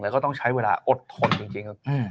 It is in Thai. แล้วก็ต้องใช้เวลาอดทนจริงครับ